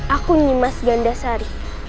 aku nyimas gandasari